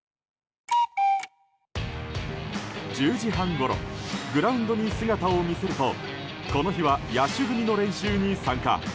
１０時半ごろグラウンドに姿を見せるとこの日は野手組の練習に参加。